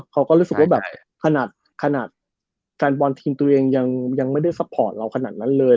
เขาก็รู้สึกว่าแบบขนาดแฟนบอลทีมตัวเองยังไม่ได้ซัพพอร์ตเราขนาดนั้นเลย